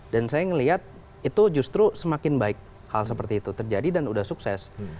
dan saya melihat itu justru semakin baik hal seperti itu terjadi dan sudah sukses